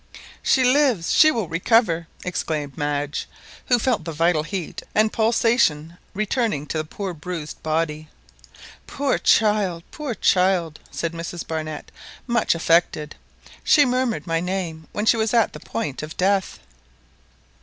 "She lives—she will recover!" exclaimed Madge, who felt the vital heat and pulsation returning to the poor bruised body. "Poor child, poor child'" said Mrs Barnett, much affected; "she murmured my name when she was at the point of death."